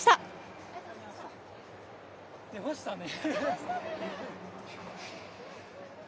出ましたね。